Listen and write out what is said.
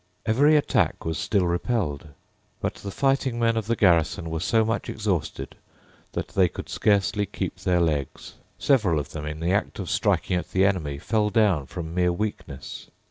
Every attack was still repelled. But the fighting men of the garrison were so much exhausted that they could scarcely keep their legs. Several of them, in the act of striking at the enemy, fell down from mere weakness.